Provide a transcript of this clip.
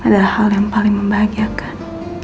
adalah hal yang paling membahagiakan